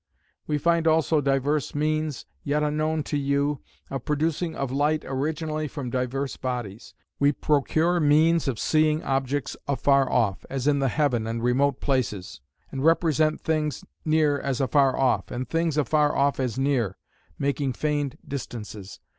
We find also divers means, yet unknown to you, of producing of light originally from divers bodies. We procure means of seeing objects afar off; as in the heaven and remote places; and represent things near as afar off; and things afar off as near; making feigned distances.